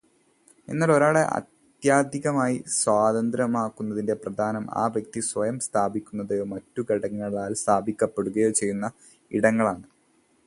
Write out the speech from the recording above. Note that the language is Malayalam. എന്നാൽ ഒരാളെ ആത്യന്തികമായി സ്വതന്ത്രമാക്കുന്നതിൽ പ്രധാനം ആ വ്യക്തി സ്വയം സ്ഥാപിക്കുന്നതോ മറ്റു ഘടകങ്ങളാൽ സ്ഥാപിക്കപ്പെടുകയോ ചെയ്യുന്ന ഇടങ്ങളാണ്.